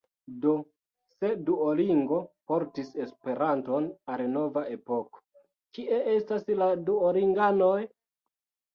Do, se Duolingo portis Esperanton al nova epoko, kie estas la Duolinganoj?